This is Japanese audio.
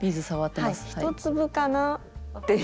１粒かなっていう。